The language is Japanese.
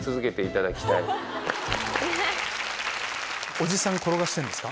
おじさん転がしてるんですか？